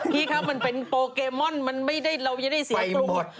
พี่คะมันเป็นโปเกมอนเราไม่ได้เสียกรุง